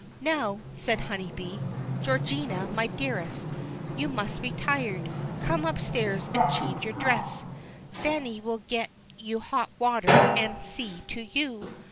"Now," said Honeybee, "Georgina, my dearest, you must be tired. Come upstairs and change your dress; Fanny will get you hot water and see to you.